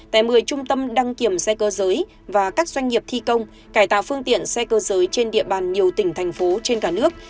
tại một mươi trung tâm đăng kiểm xe cơ giới và các doanh nghiệp thi công cải tạo phương tiện xe cơ giới trên địa bàn nhiều tỉnh thành phố trên cả nước